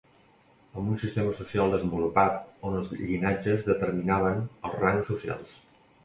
Amb un sistema social desenvolupat on els llinatges determinaven els rangs socials.